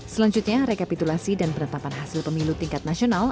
selanjutnya rekapitulasi dan penetapan hasil pemilu tingkat nasional